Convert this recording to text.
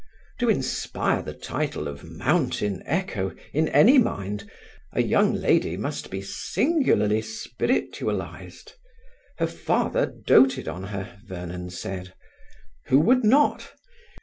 To inspire the title of Mountain Echo in any mind, a young lady must be singularly spiritualized. Her father doated on her, Vernon said. Who would not?